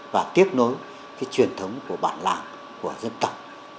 và tiếp nối cái truyền thống của bản làng của dân tộc